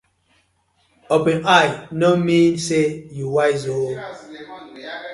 Open eye no mean say yu wise ooo.